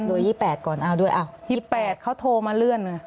ดู๒๘ก่อนอ่ะดูอ่ะ๒๘เขาโทรมาเลื่อน